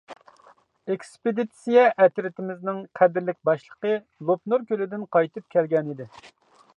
ئېكسپېدىتسىيە ئەترىتىمىزنىڭ قەدىرلىك باشلىقى لوپنۇر كۆلىدىن قايتىپ كەلگەنىدى.